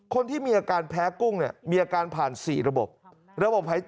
คนที่มีอาการแพ้กุ้งมีอาการผ่าน๔ระบบ